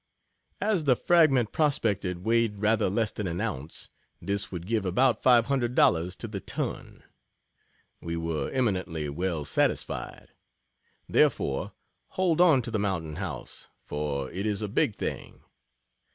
As the fragment prospected weighed rather less than an ounce, this would give about $500 to the ton. We were eminently well satisfied. Therefore, hold on to the "Mountain House," for it is a "big thing."